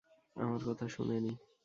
আমার কথা শুনেনি!